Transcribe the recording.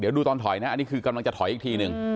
เดี๋ยวดูตอนถอยนะอันนี้คือกำลังจะถอยอีกทีหนึ่ง